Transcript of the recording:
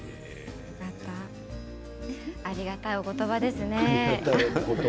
ありがたいお言葉ですね。